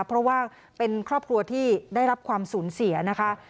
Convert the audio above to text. เพราะว่าเป็นครอบครัวที่ได้รับความสูญเสียนะคะ